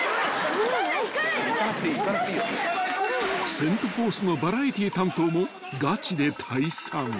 ［セント・フォースのバラエティー担当もがちで退散］